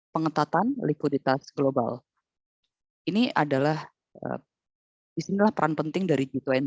pengetatan likuiditas global ini adalah disinilah peran penting dari g dua puluh